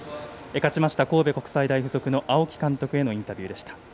勝ちました神戸国際大付属の青木監督へのインタビューでした。